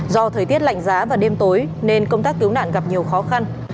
do thời tiết lạnh giá và đêm tối nên công tác cứu nạn gặp nhiều khó khăn